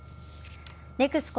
ＮＥＸＣＯ